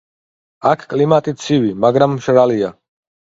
აქ კლიმატი ცივი, მაგრამ მშრალია.